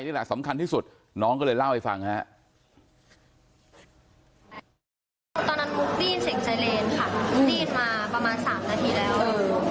ตอนนั้นมุ๊กได้ยินเสียงจ่ายเลนส์ค่ะได้ยินมาประมาณ๓นาทีแล้ว